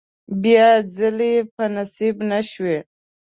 بیا ځلې په نصیب نشوې.